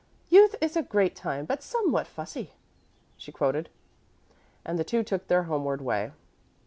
"'Youth is a great time, but somewhat fussy,'" she quoted; and the two took their homeward way.